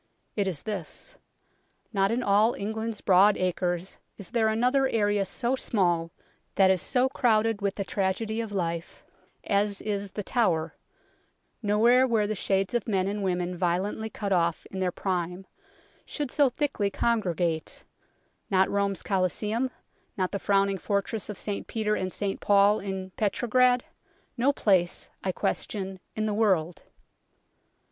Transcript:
It is this. Not in all England's broad acres is there another area so small that is so crowded with the tragedy of life as is The Tower, nowhere where the shades of men and women violently cut off in their prime should so thickly congre gate not Rome's Coliseum, not the frowning Fortress of St Peter and St Paul in Petrograd, no place, I question, in the world.